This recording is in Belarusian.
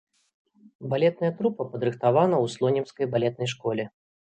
Балетная трупа падрыхтавана ў слонімскай балетнай школе.